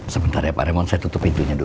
sebentar ya pak remon saya tutup pintunya dulu